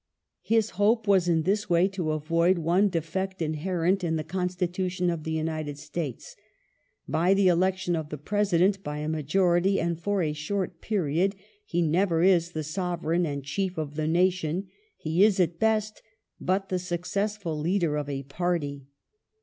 His hope was in this way to avoid " one defect inherent in the Constitution of the United States. By the election of the President by a majority and for a short period, he never is the Sovereign and chief of the nation. ... He is at best but the suc cessful leader of a party.